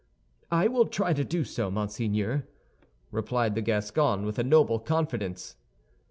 "I will try to do so, monseigneur," replied the Gascon, with a noble confidence.